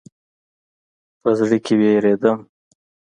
په زړه کې وېرېدم.